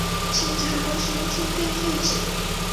秦朝时期被废止。